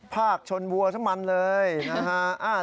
ภาคชนวัวทั้งมันเลยนะฮะ